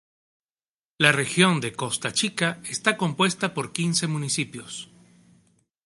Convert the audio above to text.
La región de Costa Chica está compuesta por quince municipios.